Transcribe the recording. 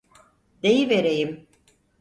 Deyivereyim.